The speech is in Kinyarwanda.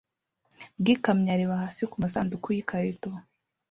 bwikamyo areba hasi kumasanduku yikarito